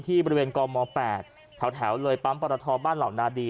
ที่บริเวณกม๘แถวเลยปั๊มปรทบ้านเหล่านาดี